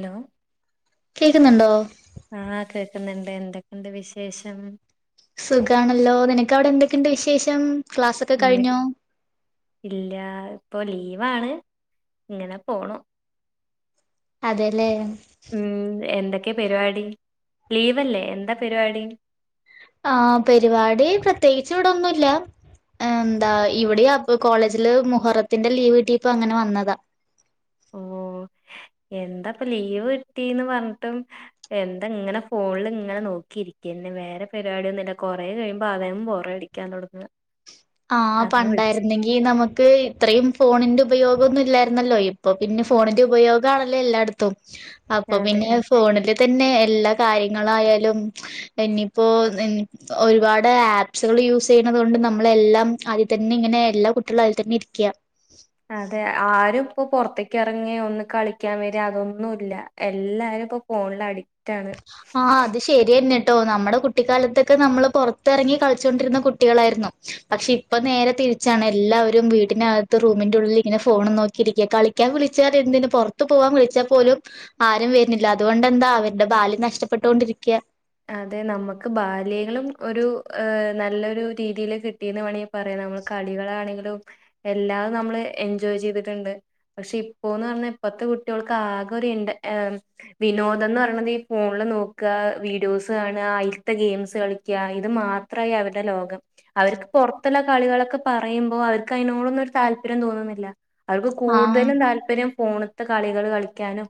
Hello കേക്കുന്നുണ്ടോ ആഹ് കേക്കുന്നുണ്ട് എന്തൊക്കെണ്ട് വിശേഷം സുഖാണല്ലോ നിനക്ക് അവിടെ എന്തൊക്കെണ്ട് വിശേഷം ക്ലാസൊക്കെ കഴിഞ്ഞോ ഇല്ലാ ഇപ്പൊ ലീവാണ് ഇങ്ങനെ പോണു അതെലേ ഉം എന്തൊക്കെ പരിപാടി ലീവല്ലെ എന്താ പരിവാടി ആഹ് പരിവടി പ്രത്യേകിച്ച് ഇവിടൊന്നുല്ല എന്താ ഇവടെയാപ്പം കോളേജില് മുഹറത്തിന്റെ ലീവ് കിട്ടേപ്പം അങ്ങനെ വന്നതാ ഓ എന്താപ്പം ലീവ് കിട്ടീന്ന് പറഞ്ഞിട്ടും എന്താ ഇങ്ങനെ ഫോണില് ഇങ്ങനെ നോക്കിയിരിക്കന്നെ വേറെ പരിപാടിയൊന്നും ഇല്ല കൊറേ കഴിയുമ്പം അതും ബോറടി യ്ക്കാൻ തൊടങ്ങ്യ ആഹ് പണ്ടായിരുന്നെങ്കി ഈ നമുക്ക് ഇത്രയും ഫോണിന്റെ ഉപയോഗം ഒന്നും ഇല്ലായിരുന്നല്ലോ ഇപ്പം പിന്നെ ഫോണിന്റെ ഉപയോഗ ആണല്ലോ എല്ലാട് ത്തും അപ്പം അതെ പിന്നെ ഫോണില് തന്നെ എല്ലാ കാര്യങ്ങളായാലും ഇനിയിപ്പോ ഒരുപാട് ആപ്സുകൾ യൂസ് ചെയ്യണതോണ്ട് നമ്മ നമ്മളെല്ലാം അതിൽ തന്നെ ഇങ്ങനെ എല്ലാ കുട്ടികളും അതിൽ തന്നെ ഇരിക്യാ അതെ ആരും ഇപ്പം പെറത്തക്ക് എറണ്ടേ ഒന്ന് കളിയ്ക്കാൻ വരേ അതൊന്നും ഇല്ല എല്ലാരും ഇപ്പം ഫോണില് അഡിക്റ്റ് ആണ് ആന് അത് ശരിയന്നെട്ടോ നമ്മുടെ കുട്ടിക്കാലത്തൊക്കെ നമ്മള് പൊറത്തെറങ്ങി കളിച്ചൊണ്ടിരുന്ന കുട്ടികളായിരുന്നു പക്ഷെ ഇപ്പം നേരെ തിരിച്ചാണ് എല്ലാവരും വീടിനകത്ത് റൂമിന്റെ ഉള്ളിൽ ഇങ്ങനെ ഫോൺ നോക്കിയിരിക്ക കളി യ്ക്കാൻ വിളിച്ച എന്തിന് പൊറത്ത് പോവാൻ വിളിച്ചാപോലും ആരും വര്ണില്ല അതോണ്ടെന്താ അവരുടെ ബാല്യം നഷ്ടപ്പെട്ടോണ്ടിരിയ്ക്കാ അതെ നമുക്ക് ബാല്യങ്ങളും ഒരു നല്ലൊരു രീതിയില് കിട്ടീന്ന് മാണെങ്കി പറയാം നമ്മള് കളികളാണെങ്കിലും എല്ലാം നമ്മള് എൻജോയ് ചെയ്തിട്ടുണ്ട് പക്ഷെ ഇപ്പോന്ന് പറഞ്ഞാ ഇപ്പത്തെ കുട്ട്യോൾക്ക് ആകെ ഒരു ഇന്റ വിനോദന്ന് പറിണത് ഈ ഫോണില് നോക്കുക വീ വിഡിയോസ് കാണ അയിൽത്തെ ഗെയിംസ് കളിക്ക്യാ ഇത് മാത്രായി അവരുടെ ലോകം അവർക്ക് പൊറത്തുള്ള കളികളൊക്കെ പറയുമ്പോ അവർക്ക് അതിനോടൊന്നും ഒരു താല്പര്യം തോന്നുന്നില്ല അവർക്ക് ആഹ് കൂടുതലും താല്പര്യം ഫോണ്ത്തെ കളികള് കളിയ്ക്ക്യാനും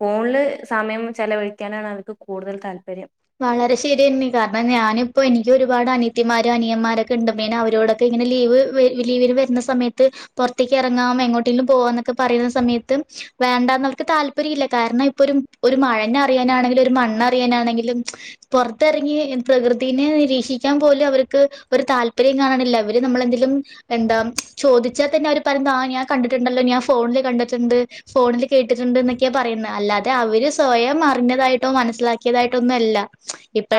ഫോണില് സമയം ചെലവഴിക്കാനാണ് അവർക്ക് കൂടുതൽ താല്പര്യം വളരെ ശരിയന്നെ കാരണം ഞാനിപ്പം എനിയ്ക്ക് ഒരുപാട് അനത്തിമാരും അനിയന്മാരൊക്കെ ഇണ്ട് പ്പം ഞാൻ അവരോടൊ ക്കെ ഇങ്ങനെ ലീവ് ലീവിന് വര്ണ സമയത്ത് പൊറത്തിയ്ക്ക് എറങ്ങാം എങ്ങോട്ടെങ്കിലും പോവാന്നൊക്കെ പറിണ സമയത്ത് വേണ്ടാന്ന് ഓൽക്ക് താല്പര്യല്ല കാരണം ഇപ്പം ഒരു മഴെനെ അറിയാനാണെങ്കിലും ഒരു മണ്ണറിയാനാണെങ്കിലും പൊറത്തിറങ്ങി പ്രകൃതിനെ നിരീക്ഷിക്കാൻ പോലും അവർക്ക് ഒരു താല്പര്യ കാണില്ല അവര് നമ്മളെന്തങ്കലും എന്താ ചോദിച്ചാൽ തന്നെ അവര് പറയ ആ ഞാൻ കണ്ടിട്ടുണ്ടല്ലോ ഞാൻ ഫോണില് കണ്ടിട്ടുണ്ട് ഫോണില് കേട്ടിട്ടുണ്ട് എന്നൊക്കെയാ പറയുന്ന അല്ലാതെ അവര് സ്വയം അറിഞ്ഞതായിട്ടോ മനസ്സിലാക്കിയതായിട്ടോ ഒന്നും അല്ല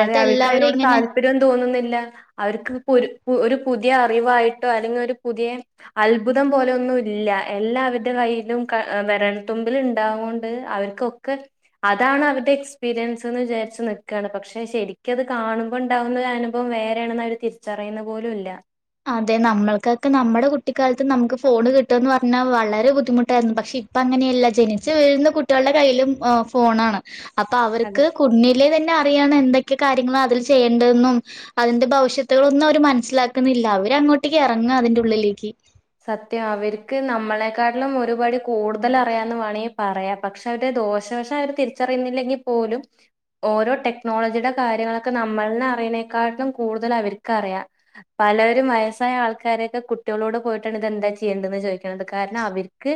അതെ അവർക്ക് എല്ലാവരും അതിനോട് ഇങ്ങനെ താല്പര്യം തോന്നുന്നില്ല അവർക്ക് ഒരു പുതിയ അറിവായിട്ടോ അല്ലെങ്കിൽ ഒരു പുതിയെ അത്ഭുതം പോലൊന്നും ഇല്ല എല്ലാവരുടെ കയ്യിലും വിരല്ത്തുമ്പിൽ ഇപണ്ടാവോണ്ട് അവർ കൊക്കെ അതാണ് അവരുടെ എക്സ്പീരിയൻസ്ന്ന് വിചാരിച്ചു നിക്കാണ് പക്ഷെ പക്ഷെ ശരിക്കത് കാണുമ്പോ ഉണ്ടാവുന്ന ഒരു അനുഭവം വേറെയാണെന്ന് അവർ തിരിച്ചറിയുന്ന പോലുല്ല അതെ നമ്മൾക്കൊക്കെ നമ്മുടെ കുട്ടിക്കാലത്ത് നമുക്ക് ഫോൺ കിട്ടുന്ന് പറഞ്ഞാൽ വളരെ ബുദ്ധിമുട്ടായിരുന്നു പക്ഷെ ഇപ്പ അങ്ങനെയല്ല ജനിച്ചു വീഴുന്ന കുട്ടികളുടെ കയ്യിലും ഫോണാണ് അപ്പൊ അതെ അവർക്ക് കുഞ്ഞിലെ തന്നെ അറിയണ എന്തൊക്കെ കാര്യങ്ങളാ അതിൽ ചെയ്യണ്ടെന്നും അതിന്റെ ഭവിഷ്യത്തുകളൊന്നും അവര് മനസ്സിലാക്കുന്നില്ല അവര് അങ്ങോട്ടേക്ക് ഇറങ്ങാ അതിന്റെ ഉള്ളിലേക്ക് സത്യാ അവർക്ക് നമ്മളെക്കാട്ടിലും ഒരുപടി കൂടുതൽ അറിയാന്ന് വാണങ്കിപറയാം പക്ഷെ അതിന്റെ ദോഷവശം അവര് തിരിച്ചറിയുന്നില്ലെങ്കിൽ പോലും ഓരോ ടെക്നോളജിയുടെ കാര്യങ്ങളൊക്കെ നമ്മളെ അറിയണേക്കാട്ടിലും കൂടുതൽ അവർക്ക്റിയാം പലരും വയസ്സായ ആൾക്കാരൊക്കെ കുട്ടികളോട് പോയിട്ട ഇതന്താ ചെയ്യണ്ടന്ന് ചോദിക്കണത് കാരണം അവർക്ക്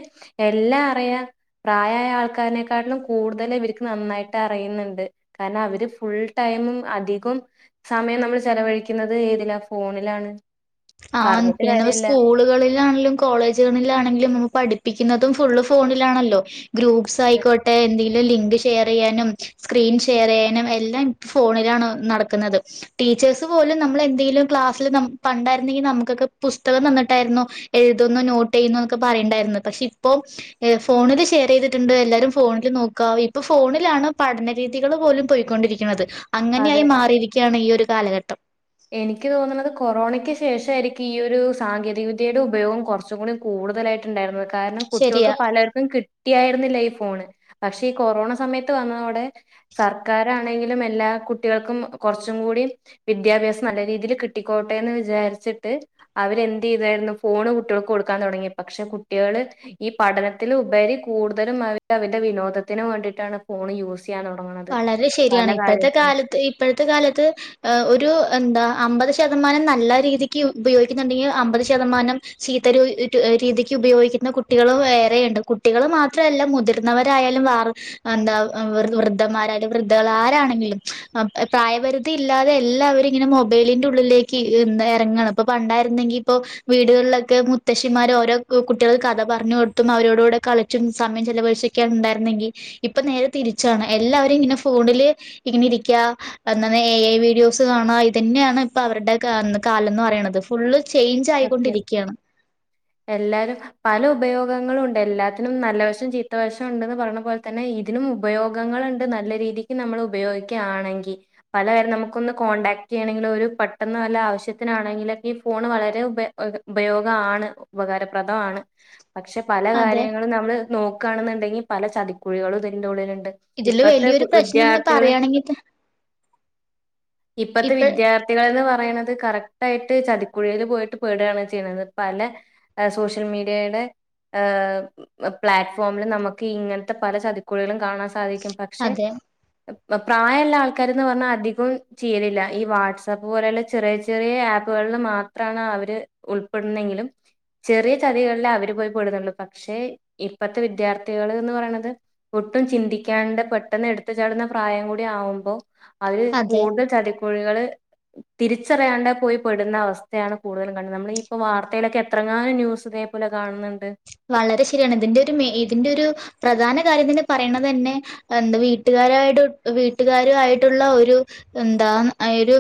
എല്ലാ അറിയാം പ്രായായ ആൾക്കാരനെക്കാട്ടിലും കൂടുതൽ ഇവർക്ക് നന്നായിട്ട് അറിയുന്നുണ്ട് കാരണം അവര് ഫുൾ ടൈമും അധികം സമയം നമ്മൾ ചെലവഴിക്കുന്നത് ഏതിലാ ഫോണിലാണ് ആ പറഞ്ഞിട്ട് പിന്നെ കാര്യല്ല സ്കൂളുകളിലാണെങ്കിലും കോളേജിലാണെങ്കിലും പഠിപ്പിക്കുന്നതും ഫുള്ള് ഫോണിലാണല്ലോ ഗ്രൂപ്പ്സ് അത് ആയിക്കോട്ടെ എന്തെ ലിങ്ക് ഷെയർ ചെയ്യാനും സ്ക്രീൻ ഷെയർ ചെയ്യാനും എല്ലാം ഫോണിലാണ് നടക്കുന്നത് ടീച്ചേഴസ് പോലും നമ്മള എന്തെങ്കിലും ക്ലാസില് ന പണ്ടേ [unintelligible] നമുക്കൊക്കെ പുസ്തകം വന്നിട്ടായിരുന്നുോ എഴുതുന്നോ നോട്ട് ചെയ്യുന്നന്നൊക്കെ പറയുണ്ടായിരുന്നു പക്ഷെ ഇപ്പൊ ഫോണില് ഷെയറിതിട്ടുണ്ട് എല്ലാരും ഫോണിൽ നോക്കാം ഇപ്പൊ ഫോണിലാണ് പഠനരീതികൾ പോലും പോയിക്കൊണ്ടിരിക്കുന്നത് ക്ക്ണത് അങ്ങനെയ അത് ആയി മാറിയിരിക്കുകയാണ് ഈ ഒരു കാലഘട്ടം എനിക്ക് തോന്നുന്നത് കൊറോണയ്ക്ക് ശേഷം ആരിക്കും ഈ ഒരു സാങ്കേതിക വിദ്യയുടെ ഉപയോഗം കൊറച്ചു കൂടി കൂടുതലായിട്ട് ഉണ്ടായിരുന്നത് കാരണം കുട്ട്യാൾക്ക് ശരിയാ പലർക്കു കി കിട്ടി ആയിരുന്നില്ലാ ഈ ഫോണ് പക്ഷേ ഈ കൊറോണ സമയത്ത് വന്നതോട സർക്കാരാണെങ്കിലും എല്ലാ കുട്ടികൾക്കും കുറച്ചും കൂടി വിദ്യാഭ്യാസ നല്ല രീതിയിൽ കിട്ടിക്കോട്ടെന്ന് വിചാരിച്ചിട്ട് അവര്ന്ത്യ്തായിരുന്നു ഫോണ് കുട്ടികൾക്ക് കൊടുക്കാൻ തുടങ്ങി പക്ഷെ കുട്ട്യാള് ഈ പഠനത്തിൽ ഉപരി കൂടുതലും അവര് അവരുടെ വിനോദത്തിന് വേണ്ടിട്ടാണ് ഫോൺ യൂസ് [unintelligible] വളരെ പല ശെരിയാണ് ഇപ്പോഴത്തെ കാര്യത്തിനും കാലത്ത് ഇപ്പോഴത്തെ കാലത്ത് ഒരു എന്താ അമ്പത് ശതമാനം നല്ല രീതിക്ക് ഉപയോഗിക്കുന്നുണ്ടെങ്കിൽ അമ്പത് ശതമാനം ചീത്ത രീതിക്ക് ഉപയോഗിക്കുന്ന കുട്ടികൾ വേറെയുണ്ട് കുട്ടികൾ മാത്രമല്ല മുതി ന്നവരായാലും വ എന്താ വ്യ- വൃദ്ധന്മാരായാല വൃദ്ധകൾ ആരണെങ്കിലും പ്രായപരിധി ഇല്ലാതെ എല്ലാവും ഇങ്ങനെ മൊബൈലിന്റെ ഉള്ളിലേ ഇറങ്ങാണ് ഇപ്പ പണ്ടായിരുന്നെങ്കി ഇപ്പോ വീടുകളിലൊക്കെ മുത്ത്ശിമാര് ഓരോ കുട്ടികൾ കഥ പറഞ്ഞു കൊടുത്തും അവരോടുകൂടെ കളി ചും സമയം ചെിലവഴിചൊക്കാണ് ഉണ്ടായിരുന്നെങ്കിൽ ഇപ്പൊ നേരെ തിരിച്ചാണ് എല്ലാവരും ഇങ്ങനെ ഫോണില് ഇങ്ങനെ ഇരിക്കുക അന്നന്ന്എ ഐ വീഡിയോസ് കാണുക അത് തന്നെയാണ് ഇപ്പൊ അവരുടെ കാലം എന്ന് പറയണത് ഫുള്ള് ചേഞ്ച് ആയിക്കൊണ്ടിരിക്കുകയാണ് എല്ലരും പല ഉപയോഗങ്ങളും ഉണ്ട് എല്ലാത്തിനും നല്ല വശം ചീത്ത വശം ഉണ്ട്ന്ന് പറഞ്ഞ പോലെ തന്നെ ഇതിനും ഉപയോഗങ്ങളുണ്ട് നല്ല രീതിക്ക് നമ്മൾ ഉപയോഗിക്കുകയാണെങ്കിൽ പല പരം നമുക്കൊന്ന് കോൺടാക്ട് ചെയ്യണമെങ്കിൽ ഒരു പെട്ടെന്ന് നല്ല ആവശ്യത്തിനാണെങ്കിലൊക്കെ ഈ ഫോൺ വളരെ അ ഉ ഉപയോഗണ് ഉപകാരപ്രദമാണ് പക്ഷെ പല അതെ കാര്യങ്ങളും നമ്മള് നോക്കുകയാണെന്നുണ്ടെങ്കിൽ പല ചതിക്കുഴികളും ഇതിന്റെ ഉള്ളിലുണ്ട് ഇതില് ഇപ്പത്തെ വലിയൊരു പ്രശ്നംന്ന് വിദ്യാർത്ഥികളും പറയാണെങ്കി ഇപ്പത്തെ ഇപ്പ വിദ്യാർഥ കുട്ടികൾന്ന് പറയണുന്നത് കറക്റ്റ് ആയിട്ട് ചതിക്കുഴിയിൽ പോയിട്ട് പേടുകയാണ് ചെയ്യുന്നത് പല ആഹ് സോഷ്യൽ മീഡിയയുടെ ഹ് പ്ലാറ്റ്ഫോമിൽ നമുക്ക് ഇങ്ങനത്തെ പല ചതിക്കുഴികളും കാണാൻ സാധിക്കും പക്ഷെ അതെ പ്രായമുള്ള ആൾക്കാരന്ന് പറഞ്ഞാൽ അധികവും ചെയ്യലില്ല ഈ വാട്സആപ്പ് പോലെയുള്ള ചെറിയ ചെറിയ ആപ്പുകളിൽ മാത്രമാണ് അവര് ഉൾപ്പെടുന്നെങ്കിലും ചെറിയ ചതികളിൽ അവര് പോയി പെടുന്നുള്ളൂ പക്ഷേ ഇപ്പത്തെ വിദ്യാർത്ഥികൾ എന്ന് പറയണത് ഒട്ടും ചിന്തിക്കാണ്ട പെട്ടെന്ന് എടുത്തു ചാടുന്ന പ്രായം കൂടി ആവുമ്പോ അവര് അതെ കൂടുതൽ ചതിക്കുഴികള് തിരിച്ചറിയാണ്ടെ പോയി പെടുന്ന അവസ്ഥയാണ് കൂടുതലും കാണണം നമ്മള ഇപ്പോ വാർത്തയിലൊക്കെ എത്രങ്ങാലും ന്യൂസ് ഇതേപോലെ കാണുന്നുണ്ട് വളരെ ശരിയാണ് ഇതിന്റെ ഒരു മേ ഇതിന്റെ ഒരു പ്രധാന കാര്യം തന് പറയണ തന്നെ എന്താ വീട്ടുകാരായിട്ട് വീട്ടുകാരുയിട്ടുള്ള ഒരു എന്താ ആ ഒരു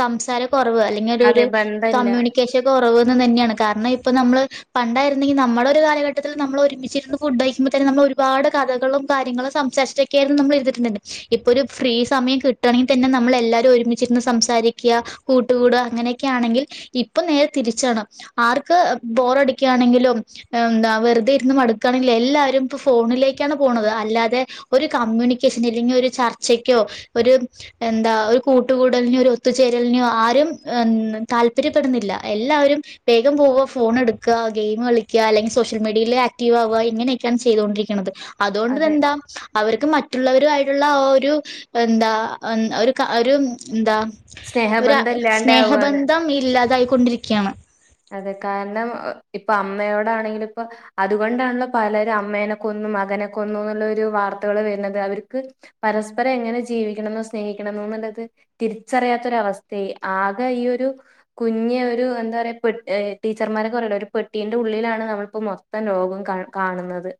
സംസാര കുറവ് അല്ലെങ്കിലൊരു അതെ ബന്ധല്ല കമ്മ്യൂണിക്കേഷൻ റന്ന് തന്നെയാണ് കാരണം ഇപ്പൊ നമ്മള് പണ്ടായിരുന്നെങ്കി ന - നമ്മുടെ ഒരു കാലഘട്ടത്തിൽ നമ്മൾ ഒരുമിച്ചിരുന്ന് ഫുഡ് കഴിക്കുമ്പോ തന്ന നമ്മള ഒരുപാട് കഥകളും കാര്യങ്ങളും സംസാരിച്ച ട്ട് കേരള നമ്മ എഴുതിട്ടുണ്ട് [unintelligible] ഇപ്പൊ ഒരു ഫ്രീ സമയം കിട്ടയാണെങ്കിൽ തന്നെ നമ്മൾ എല്ലാരും ഒരുമിച്ചിരുന്ന് സംസാരിക്കുക കൂട്ടുകൂടുക അങ്ങനെയൊക്കെ ആണെങ്കിൽ ഇപ്പൊ നേരെ തിരിച്ചാണ് ആർക്ക് ബോറടിക്കുകയാണെങ്കിലും എന്താ വെറുതെ ഇരുന്ന് മടുക്കുകയാണെങ്കിൽ എല്ലാരും ഇപ്പൊ ഫോണിലേക്കാണ് പോണുന്നത് അല്ലാതെ ഒരു കമ്മ്യൂണിക്കേഷൻ അല്ലെങ്കിൽ ഒരു ചർച്ചയ്ക്കോ ഒരു എന്താ ഒരു കൂട്ടുകൂടലിനെയോ ഒരു ഒത്തുചേരലിനെയോ ആരും താല്പര്യപ്പെടുന്നില്ല എല്ലാവരും വേഗം പോവുക ഫോൺ എടുക്കുക ഗെയിം കളിക്ക അല്ലെങ്കിൽ സോഷ്യൽ മീഡിയയിൽ ആക്റ്റീവ് ആവുക ഇങ്ങനെയൊക്കെയാണ് ചെയ്തുകൊണ്ടരിക്കുന്നത് അതെ അതുകൊണ്ടതെന്താ അവർക്ക് മറ്റുള്ളവരു ആയിട്ടുള്ള ആ ഒരു എന്താ ഒരു ഒരു എന്താ ഒര സ്നേഹബന്ധം ഇല്ലാണ്ടാവാണ്. സ്നേഹബന്ധം ഇല്ലാതായിക്കൊണ്ടിരിക്കുകയാണ് അതെ കാരണം ഇപ്പൊ അമ്മയോടാണെങ്കില ഇപ്പൊ അതുകൊണ്ടാണല്ലോ പലരും അമ്മേനെ കൊന്നും മകനെ കൊന്നും എന്നുള്ള ഒരു വാർത്തകള് വരുന്നത് അവർക്ക് പരസ്പരം എങ്ങനെ ജീവിക്കണം എന്നോ സ്നേഹിക്കണം എന്നോ ഉള്ളത് തിരിച്ചറിയാത്തൊരവസ്ഥയ ആകെ ഈ ഒരു കുഞ്ഞ് ഒരു എന്താ പറയാ പെ ടീച്ചർമാറൊക്കെ പറയുലെ ഒരു പെട്ടീന്റെ ഉള്ളിലാണ് നമ്മളിപ്പോ മൊത്തം ലോകവും കാണുന്നത്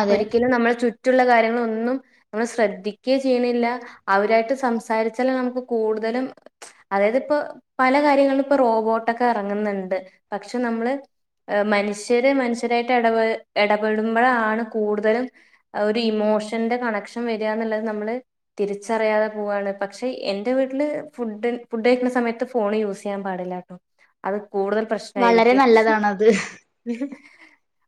അതെ ഒരിക്കലും നമ്മൾ ചുറ്റുള്ള കാര്യങ്ങൾ ഒന്നും നമ്മൾ ശ്രദ്ധിക്കുകേ ചെയ്യണില്ല അവരായിട്ട് സംസാരിച്ചാല നമുക്ക് കൂടുതലും അതായത് ഇപ്പോ പല കാര്യങ്ങളില ഇപ്പൊ റോബോട്ടൊക്കെ ഇറങ്ങുന്നുണ്ട് പക്ഷെ നമ്മള് മനുഷ്യര് മനുഷ്യരായിട്ട് ഇടപ ഇടപെടുമ്പോഴാണ് കൂടുതലും ഒരു ഇമോഷന്റെ കണക്ഷൻ വരിക എന്നുള്ളത് നമ്മള് തിരിച്ചറിയാതെ പോവുവാണ് പക്ഷെ എന്റെ വീട്ടില് ഫുഡ ഫുഡ് കഴിക്കുന്ന സമയത്ത് ഫോണ് യൂസ് ചെയ്യാൻ പാടില്ല കേട്ടോ അത് കൂടുതൽ വളരെ നല്ലതാണത് ഉ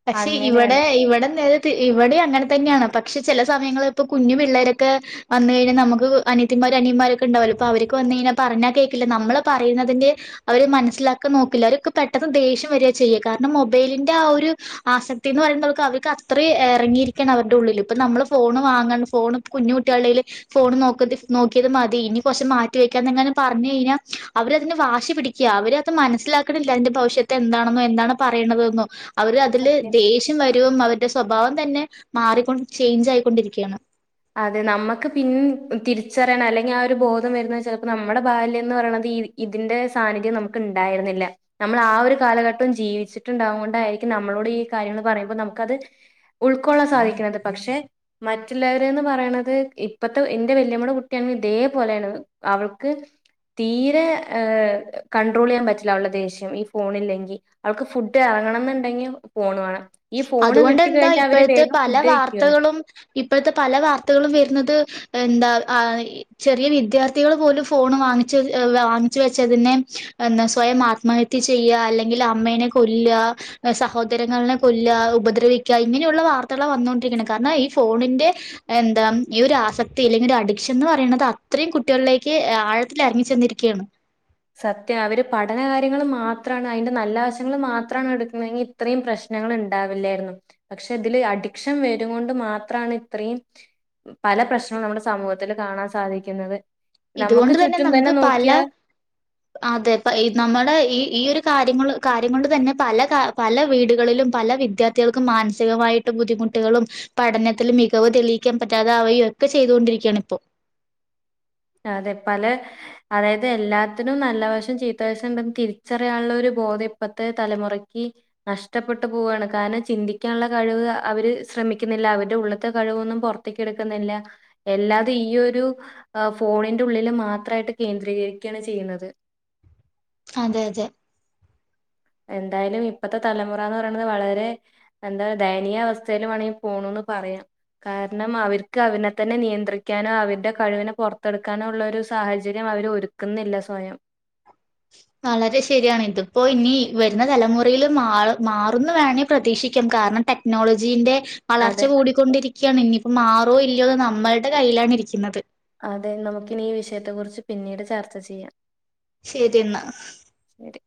പക്ഷെ ഇവിടെ ഇവിടെ നേരെ ഇവിടെയും അങ്ങനെ തന്നെയാണ് പക്ഷെ ചില സമയങ്ങളിൽ ഇപ്പ കുഞ്ഞു പിള്ളേരൊക്കെ വന്നു കഴിഞ്ഞാ നമുക്ക് അനനിത്തിന്മാര് അനിയന്മാരൊക്കെ ഉണ്ടാവോലോ അപ്പ അവര്ക്ക വന്ന കഴിഞ്ഞാൽ പറഞ്ഞാ കേൾക്കില്ല നമ്മള് പറയുന്നതിന്റെ അവര് മനസ്സിലാക്കാൻ നോക്കില്ല അവർക്ക് പെട്ടെന്ന് ദേഷ്യം വരിക ചെയ്യുക കാരണം മൊബൈലിന്റെ ആ ഒരു ആസക്തി എന്ന് പറയുന്ന അവർക്ക് അവർക്ക് അത്രയും ഇറങ്ങിയിരിക്കണം അവരുടെ ഉള്ളിൽ ഇപ്പ നമ്മള് ഫോണ് വാങ്ങണം ഫോണ് കുഞ്ഞുട്ടികളയില് ഫോൺ നോക്കതി നോക്കിയത് മതി ഇനി കൊറച്ച് മാറ്റി വെക്കാന്ന് എങ്ങാനും പറഞ്ഞ് കഴിഞ്ഞാ അവര് അതിന് വാശി പിടി ക്ക അവര് അത് മനസ്സിലാക്കണില്ല അതിന്റെ ഭവിഷ്യത്ത് എന്താണെന്നോ എന്താണ് പറയണത് എന്നോ അവര് അതില് സത്യം ദേഷ്യം വരും അവരുടെ സ്വഭാവം തന്നെ മാറിക്കൊണ്ട് ചേഞ്ച് ആയിക്കൊണ്ടിരിക്കുകയാണ് അതെ നമക്ക് പിന്ന് തിരിച്ചറിയനോ അല്ലെങ്കി ആ ഒരു ബോധം വരുന്ന ചെലപ്പോ നമ്മുടെ ബാല്യം എന്ന് പറയണത് ഈ ഇതിന്റെ സാന്നിധ്യം നമുക്ക് ഉണ്ടായിരുന്നില്ല നമ്മൾ ആ ഒരു കാലഘട്ടം ജീവിച്ചിട്ടുണ്ടാവും കൊണ്ടായിരിക്കും നമ്മളോട് ഈ കാര്യങ്ങൾ പറയുമ്പോ നമുക്കത് ഉൾക്കൊള്ളാൻ സാധിക്ക്ന്നത് പക്ഷെ മറ്റുള്ളവ ര്ന്ന് പറയണത് ഇപ്പത്തെ എന്റെ വല്യമ്മടെ കുട്ടി തന്നെ ഇതേപോലെയാണ് അവൾക്ക് തീരെ ഏ കൺണ്ട്രോൾ ചെയ്യാൻ പറ്റില്ല അവളുടെ ദേഷ്യം ഈ ഫോണില്ലെങ്കി അവൾക്ക് ഫുഡ് ഇറങ്ങണം എന്നുണ്ടെങ്കി ഫോണ് വേണം ഈ ഫോണ് അതുകൊണ്ട് കിട്ടി എന്താ കഴിഞ്ഞാ അവര് ഇപ്പോഴത്തെ വേഗം പല ഫുഡ് കഴിക്കോ വാർത്തകളും ഇപ്പോഴത്തെ പല വാർത്തകളും വരുന്നത് എന്താ ആ ചെറിയ വിദ്യാർത്ഥികൾ പോലും ഫോണ് വാങ്ങിച്ച് വാങ്ങിച്ച് വെച്ചതിനെ എന്താ സ്വയം ആത്മഹ ത്യ ചെയ്യ അല്ലെങ്കിൽ അമ്മേനെ കൊല്ല സഹോദരങ്ങളെ കൊ ല്ല ഉപദ്രവിക്ക ഇങ്ങനെയുള്ള വാർത്തകള വന്നോണ്ടിരിക്കണേ കാരണം ഈ ഫോണിന്റെ എന്താ ഈ ഒരു ആസക്തി അല്ലെങ്കിൽ ഒരു അഡിക്ഷൻ എന്ന് പറയണത് അത്രയും കുട്ടികളിലേക്ക് ആഴത്തിൽ ഇറങ്ങി ചെന്നിരിക്കയാണ് സത്യാ അവര് പഠന കാര്യങ്ങള് മാത്രാണ് അയിന്റെ നല്ല വശങ്ങള് മാത്രാണ് എടുക്കുന്നെങ്കി ഇത്രയും പ്രശ്നങ്ങള് ഇണ്ടാവില്ലായിരുന്നു പക്ഷെ ഇതില് അഡിക്ഷൻ വരും കൊണ്ട് മാത്രാണ് ഇത്രയും പല പ്രശ്നവും നമ്മുടെ സമൂഹത്തിൽ കാണാൻ സാധിക്കുന്നത് നമുക്ക് ഇതുകൊണ്ട് തന്നെ ചുറ്റും നമുക്ക് പല നോക്കിയാൽ അതെ ഇപ്പ നമ്മുടെ ഈ ഈ ഒരു കാര്യങ്ങള് കാര്യം കൊണ്ട് തന്നെ പല കാ പല വീടുകളിലും പല വിദ്യാർത്ഥികൾക്കും മാനസികമായിട്ട് ബുദ്ധിമുട്ടുകളും പഠനത്തില് മികവ് തെളിയിക്കാൻ പറ്റാതെ അവയും ഒക്കെ ചെയ്തുകൊണ്ടിരിക്കാണ് ഇപ്പോ അതെ പല അതായത് എല്ലാത്തിനും നല്ല വശം ചീത്ത വശം ഉണ്ടെന്ന് തിരിച്ചറിയാനുള്ള ഒരു ബോധം ഇപ്പത്തെ തലമുറയ്ക്ക് നഷ്ടപ്പെട്ട് പോവാണ് കാരണം ചിന്തിക്കാനുള്ള കഴിവ് അവര് ശ്രമിക്കുന്നില്ല അവരുടെ ഉള്ളത്തെ കഴിവൊന്നും പൊറ ത്തക്ക് എടുക്കുന്നില്ല എല്ലാതെ ഈ ഒരു ആഹ് ഫോണിന്റെ ഉള്ളില് മാത്രായിട്ട് കേന്ദ്രീകരിക്കയാണ് ചെയ്യുന്നത് അതെയതെ എന്തായാലും ഇപ്പത്തെ തലമുറാന്ന് പറയ്ണത് വളരെ എന്താ ദയനീയ അവസ്ഥേല് മാണെങ്കി പോണുന്ന് പറയാ കാരണം അവർക്ക് അവനെ തന്നെ നിയന്ത്രിക്കാനോ അവരുടെ കഴിവിനെ പൊർത്തെടുക്കാനോ ഉള്ള ഒരു സാഹചര്യം അവര് ഒരു ക്കുന്നില്ല സ്വയം വളരെ ശരിയാണ് ഇതിപ്പോ ഇനി വരുന്ന തലമുറയിൽ മാ മാറുംന്ന് വേണെ പ്രതീക്ഷിക്കാം കാരണം ടെക്നോളജി ന്റെ അതെ. വളർച്ച കൂടിക്കൊണ്ടിരിക്കയാണ് ഇനിപ്പോ മാറോ ഇല്ലയോ നമ്മളുടെ കയ്യിലാണ് ഇരിക്കുന്നത് അതെ നമുക്കിനി ഈ വിഷയത്തെ കുറിച്ച് പിന്നീട് ചർച്ച ചെയ്യാം ശരി എന്നാ ശരി